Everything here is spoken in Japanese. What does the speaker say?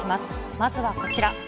まずはこちら。